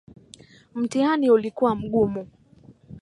Mtihani ulikuwa mgumu.